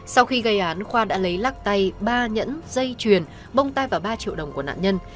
sau khi gây án khoa đã lấy lắc tay ba nhẫn dây truyền bông tay vào ba triệu đồng của nạn nhân